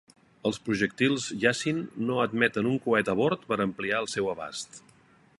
Els projectils Yasin no admeten un coet a bord per ampliar el seu abast.